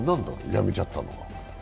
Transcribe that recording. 辞めちゃったのは。